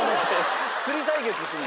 釣り対決するの？